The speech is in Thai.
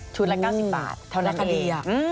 ชุดละ๙๐บาทเท่านั้นเอง